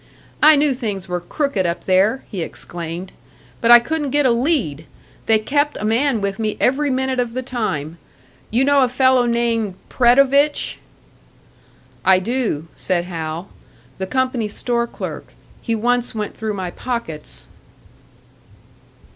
"I knew things were crooked up there!" he exclaimed. "But I couldn't get a lead! They kept a man with me every minute of the time. You know a fellow named Predovich?" "I do," said Hal. "The company store clerk; he once went through my pockets."